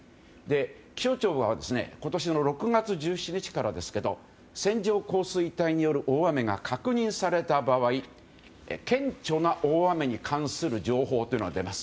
気象庁は今年の６月１７日から線状降水帯による大雨が確認された場合顕著な大雨に関する情報というのが出ます。